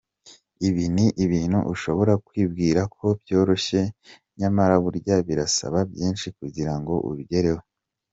Ibi ni ibintu ushobora kwibwira ko byoroshye nyamara burya birasaba byinshi kugira ngo ubigereho.